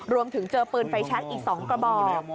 รวมถึงเจอปืนไฟแชคอีก๒กระบอก